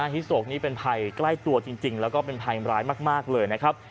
ฮิโศกนี่เป็นภัยใกล้ตัวจริงแล้วก็เป็นภัยร้ายมากเลยนะครับ